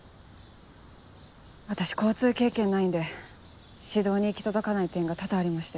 私交通経験ないんで指導に行き届かない点が多々ありまして。